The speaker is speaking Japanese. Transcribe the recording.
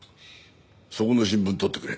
そこの新聞取ってくれ。